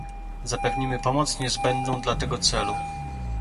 Zapewnimy pomoc niezbędną dla tego celu